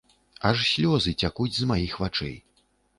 Аж слёзы цякуць з маіх вачэй.